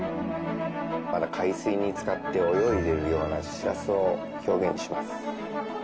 まだ海水につかって泳いでいるようなしらすを表現します。